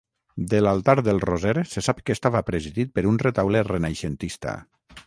De l'altar del Roser se sap que estava presidit per un retaule renaixentista.